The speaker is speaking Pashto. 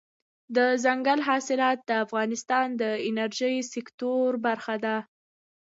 دځنګل حاصلات د افغانستان د انرژۍ سکتور برخه ده.